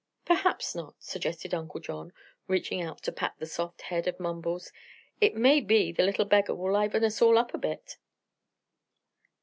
"Perhaps not," suggested Uncle John, reaching out to pat the soft head of Mumbles. "It may be the little beggar will liven us all up a bit."